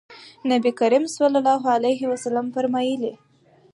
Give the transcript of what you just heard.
نبي کریم صلی الله علیه وسلم فرمایلي: